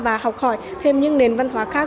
và học hỏi thêm những nền văn hóa khác